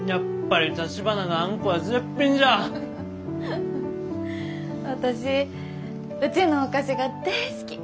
フフフ私うちのお菓子が大好き。